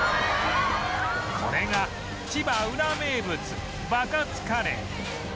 これが千葉ウラ名物バカツカレー